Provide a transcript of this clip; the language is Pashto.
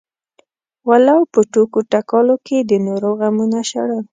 ولو په ټوکو ټکالو کې د نورو غمونه شړل.